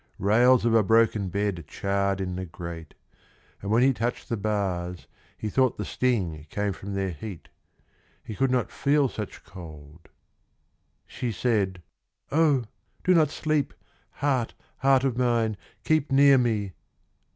Rails of a broken bed charred in the grate, And when he touched the bars he thought the sting Came from their heat he could not feel such cold ... She said, 'O, do not sleep, Heart, heart of mine, keep near me.